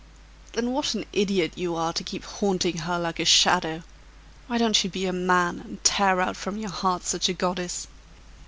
"Then what an idiot you are, to keep haunting her like her shadow! Why don't you be a man, and tear out from your heart such a goddess?"